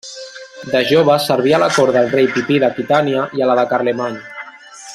De jove serví a la cort del rei Pipí d'Aquitània i a la de Carlemany.